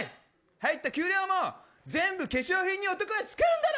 入った給料も全部化粧品に男は使うんだろ。